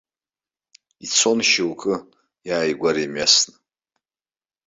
Ицон шьоук иааигәара имҩасны.